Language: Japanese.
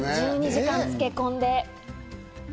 １２時間漬け込んで。